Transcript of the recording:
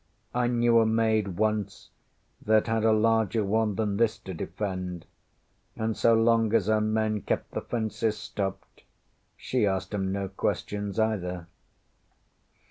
I knew a maid once that had a larger one than this to defend, and so long as her men kept the fences stopped, she asked ŌĆśem no questions either.